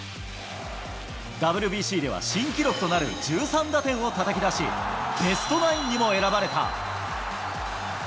ＷＢＣでは新記録となる１３打点をたたき出し、ベストナインにも選ばれた。